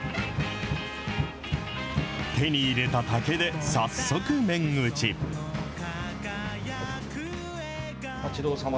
手に入れた竹で早速麺打ち。